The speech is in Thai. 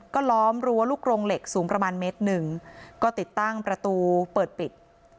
ก็ล้อมรั้วลูกโรงเหล็กสูงประมาณเมตรหนึ่งก็ติดตั้งประตูเปิดปิด